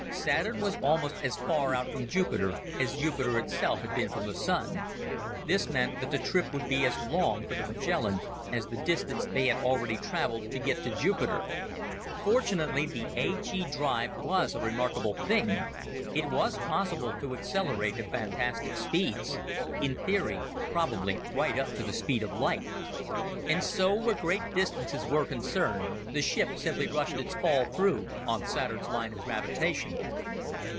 Saturn was also almost as far out from Jupiter as Jupiter itself had been from the Sun. This meant that the trip would be as long for the Magellan as the distance they had already traveled to get to Jupiter. Fortunately the A G drive was a remarkable thing it was possible to accelerate to fantastic speeds in theory, probably right up to the speed of light. And so, where great distances were concerned, the ship simply rushed its fall through on Saturn's line of gravitation.